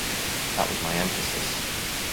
That was my emphasis.